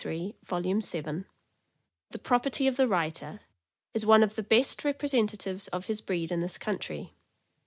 16733, volume 7), the property of the writer, is one of the best representatives of his breed in this country.